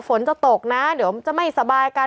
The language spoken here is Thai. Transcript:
ฝนจะตกนะเดี๋ยวจะไม่สบายกัน